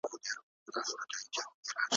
تجربه د ژوند تر ټولو ښه ښوونکی دی.